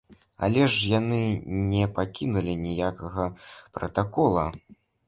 Але ж яны не пакінулі ніякага пратакола.